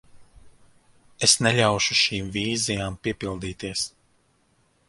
Es neļaušu šīm vīzijām piepildīties.